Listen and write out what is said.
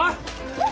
えっ？